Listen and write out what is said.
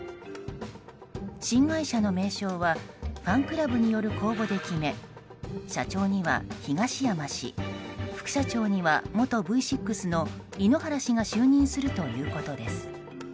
新会社の名称はファンクラブによる公募で決め社長には東山氏副社長には元Ｖ６の井ノ原氏が就任するということです。